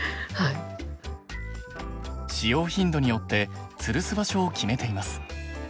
使用頻度によってつるす場所を決めています。